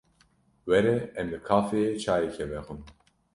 Were em li vê kafeyê çayekê vexwin.